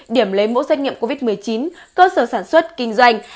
điểm lấy mẫu xét nghiệm covid một mươi chín cơ sở sản xuất kinh doanh